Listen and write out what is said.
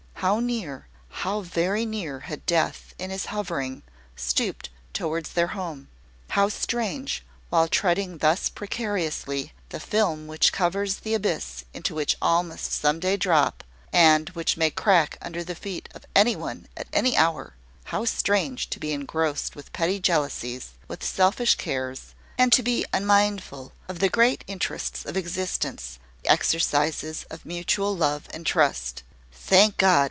How near how very near, had Death, in his hovering, stooped towards their home! How strange, while treading thus precariously the film which covers the abyss into which all must some day drop, and which may crack under the feet of any one at any hour, how strange to be engrossed with petty jealousies, with selfish cares, and to be unmindful of the great interests of existence, the exercises of mutual love and trust! Thank God!